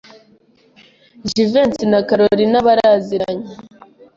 Jivency na Kalorina baraziranye.